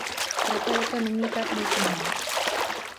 Proto je to nyní tak nutné.